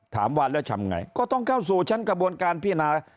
ถามว่าแล้วทำไงก็ต้องเข้าสู่ชั้นกระบวนการพินา